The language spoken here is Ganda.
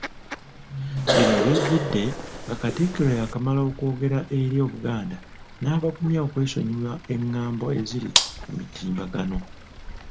Bino we bijjidde, nga Katikkiro yaakamala okwogerako eri Obuganda n'abugumya okwesonyiwa engambo eziri ku mutimbagano.